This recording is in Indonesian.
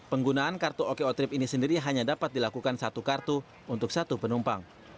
penggunaan kartu oko trip ini sendiri hanya dapat dilakukan satu kartu untuk satu penumpang